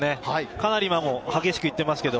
かなり激しく行っていますけど。